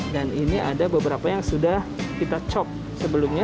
dan ini ada beberapa yang sudah kita chop sebelumnya